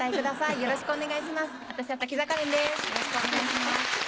よろしくお願いします。